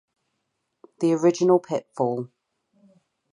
The original Pitfall!